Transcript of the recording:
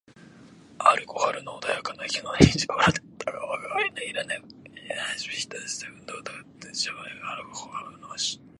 ある小春の穏やかな日の二時頃であったが、吾輩は昼飯後快く一睡した後、運動かたがたこの茶園へと歩を運ばした